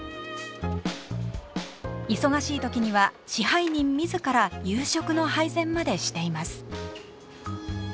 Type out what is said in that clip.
忙しい時には支配人自ら夕食の配膳までしています。